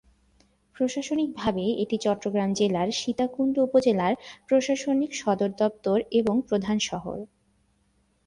প্রশাসনিকভাবে এটি চট্টগ্রাম জেলার সীতাকুণ্ড উপজেলার প্রশাসনিক সদরদপ্তর এবং প্রধান শহর।